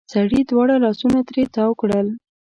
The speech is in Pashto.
سړې دواړه لاسونه ترې تاو کړل.